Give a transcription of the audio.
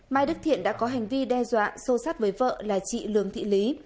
mai đức thiện đã có hành vi đe dọa sâu sát với vợ là chị lường thị lý